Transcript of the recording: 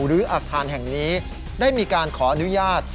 หรืออาคารแห่งนี้ได้มีการขออนุญาต